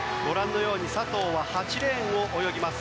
佐藤は８レーンを泳ぎます。